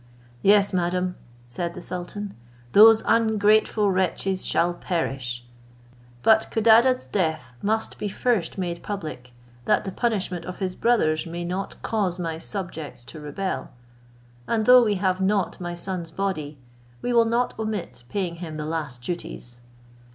"Yes, madam," said the sultan, "those ungrateful wretches shall perish; but Codadad's death must be first made public, that the punishment of his brothers may not cause my subjects to rebel; and though we have not my son's body, we will not omit paying him the last duties."